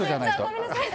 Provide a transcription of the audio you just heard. ごめんなさい。